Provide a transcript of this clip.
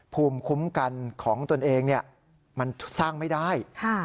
ภูมิคุ้มกันของตนเองมันสร้างไม่ได้